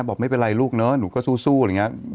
บอกไม่เป็นไรลูกเนอะหนูก็สู้อะไรอย่างนี้